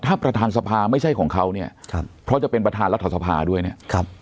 ถ้าประธานสภาไม่ใช่ของเขาเนี่ยครับเพราะจะเป็นประธานรัฐสภาด้วยเนี่ยครับ